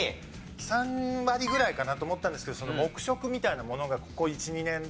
３割ぐらいかなと思ったんですけど黙食みたいなものがここ１２年で。